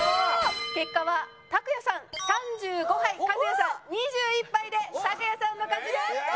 結果はたくやさん３５杯かずやさん２１杯でたくやさんの勝ちです。